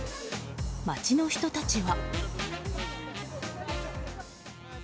街の人たちは。